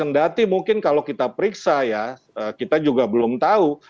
kendati mungkin kalau kita periksa ya kita juga belum tahu